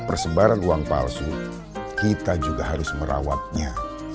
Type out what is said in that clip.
persebaran uang palsu kita juga harus merawatnya